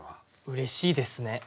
うれしいですね。